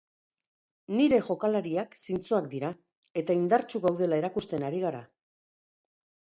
Nire jokalariak zintzoak dira, eta indartsu gaudela erakusten ari gara.